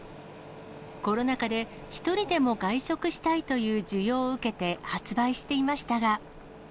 コロナ禍で、一人でも外食したいという需要を受けて、発売していましたが。